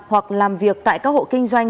hoặc làm việc tại các hộ kinh doanh